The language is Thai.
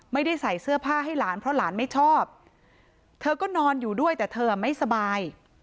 ไม่ได้ใส่เสื้อผ้าให้หลานเพราะหลานไม่ชอบเธอก็นอนอยู่ด้วยแต่เธอไม่สบาย